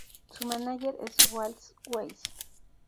Su mánager es Walt Weiss.